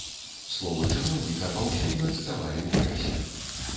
Словы чыноўніка паўсюдна цытавалі ў прэсе.